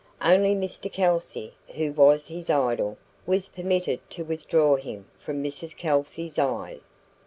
Only Mr Kelsey, who was his idol, was permitted to withdraw him from Mrs Kelsey's eye.